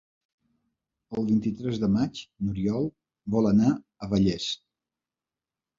El vint-i-tres de maig n'Oriol vol anar a Vallés.